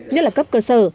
nhất là cấp cơ sở